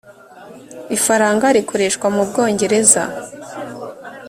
ifaranga rikoreshwa mu bwongereza